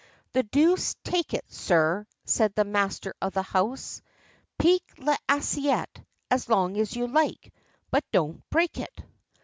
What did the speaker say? "The deuce take it, sir," said the master of the house; "piquez l'assiette as long as you like, but don't break it!"